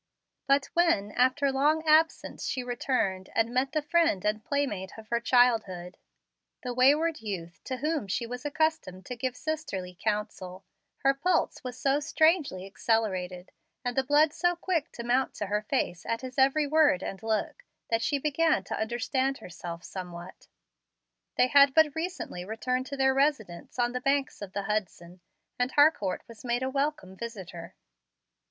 But when after long absence she returned and met the friend and playmate of her childhood the wayward youth to whom she was accustomed to give sisterly counsel her pulse was so strangely accelerated, and the blood so quick to mount to her face at his every word and look, that she began to understand herself somewhat. They had but recently returned to their residence on the banks of the Hudson; and Harcourt was made a welcome visitor.